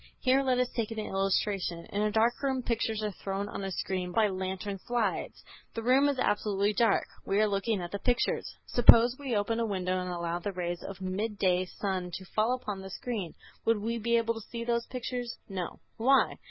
Here let us take an illustration: In a dark room pictures are thrown on a screen by lantern slides. The room is absolutely dark. We are looking at the pictures. Suppose we open a window and allow the rays of the midday sun to fall upon the screen. Would we be able to see those pictures? No. Why?